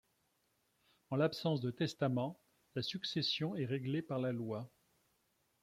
En l'absence de testament, la succession est réglée par la loi.